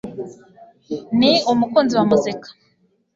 Ni umukunzi wa muzika